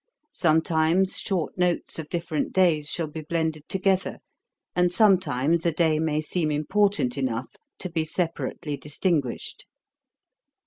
Sometimes short notes of different days shall be blended together, and sometimes a day may seem important enough to be separately distinguished.